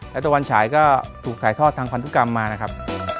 และตะวันฉายก็ถูกถ่ายทอดทางพันธุกรรมมานะครับ